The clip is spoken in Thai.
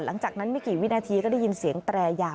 หลังจากนั้นไม่กี่วินาทีก็ได้ยินเสียงแตรยาว